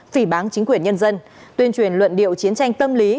phỉ bán chính quyền nhân dân tuyên truyền luận điệu chiến tranh tâm lý